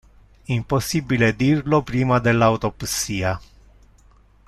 Impossibile dirlo prima dell'autopsia.